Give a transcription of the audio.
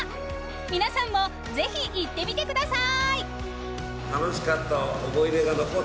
皆さんも、ぜひ行ってみてください！